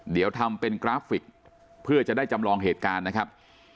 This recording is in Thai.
เดี๋ยวทำเป็นกราฟิกเพื่อจะได้จำลองเหตุการณ์นะครับ